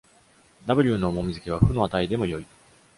W の重み付けは負の値でもよい。